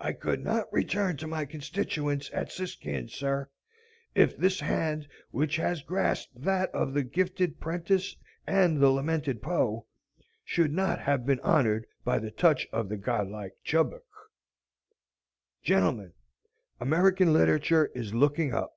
"I could not return to my constituents at Siskyion, sir, if this hand, which has grasped that of the gifted Prentice and the lamented Poe, should not have been honored by the touch of the godlike Chubbuck. Gentlemen, American literature is looking up.